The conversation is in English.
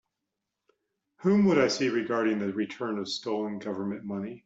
Whom would I see regarding the return of stolen Government money?